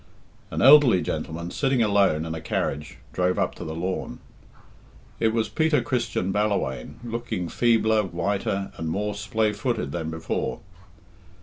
An elderly gentleman, sitting alone in a carriage, drove up to the lawn. It was Peter Christian Ballawhaine, looking feebler, whiter, and more splay footed than before.